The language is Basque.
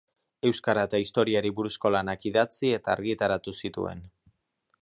Euskara eta Historiari buruzko lanak idatzi eta argitaratu zituen.